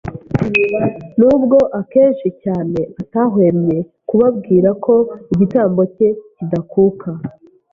Nubwo akenshi cyane atahwemye kubabwira ko igitambo cye kidakuka,